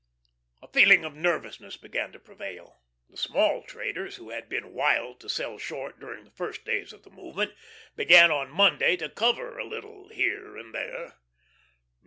A feeling of nervousness began to prevail. The small traders, who had been wild to sell short during the first days of the movement, began on Monday to cover a little here and there.